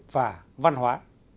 và văn hóa